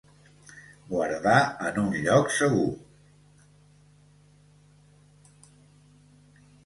Guardar en un lloc segur.